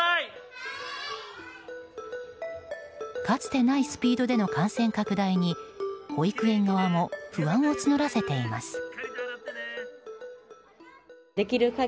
かつてないスピードでの感染拡大に保育園側も不安を募らせています。